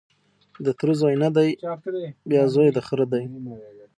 د تره زوی نه دی بیا زوی د خره دی